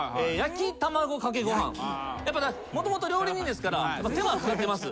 もともと料理人ですから手間かかってます。